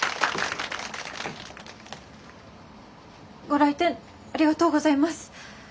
ご来店ありがとうございます。